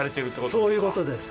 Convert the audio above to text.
そういうことです。